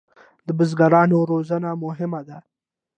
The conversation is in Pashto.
د بزګرانو روزنه مهمه ده